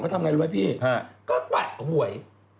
เขาทำอะไรด้วยพี่ก็เปะหวย